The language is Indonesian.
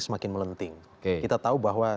semakin melenting kita tahu bahwa